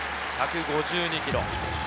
１５２キロ。